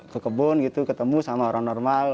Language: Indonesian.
ke kebun gitu ketemu sama orang normal